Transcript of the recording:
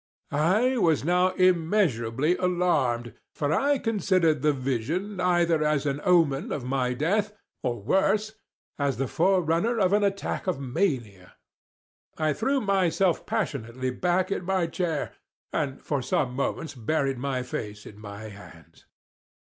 I was now immeasurably alarmed, for I considered the vision either as an omen of my death, or, worse, as the fore runner of an attack of mania. I threw myself passionately back in my chair, and for some moments buried my face in my hands.